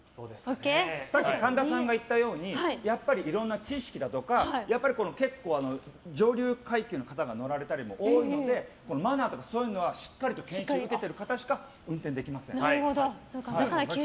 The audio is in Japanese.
神田さんが言ったようにいろいろな知識だとか上流階級の方が乗られたりも多いのでマナーとかそういうのはしっかり研修を受けている方しか運転できません。